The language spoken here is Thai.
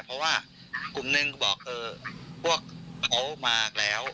เพราะว่ากลุ่มหนึ่งก็บอกเออพวกเขามาแล้ว